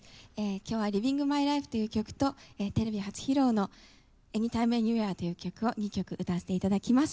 今日は「ＬｉｖｉｎｇＭｙＬｉｆｅ」という曲とテレビ初披露の「ＡｎｙｔｉｍｅＡｎｙｗｈｅｒｅ」という曲を２曲歌わせていただきます。